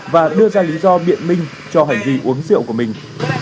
và đưa ra lý do biện minh cho hành vi uống rượu của mình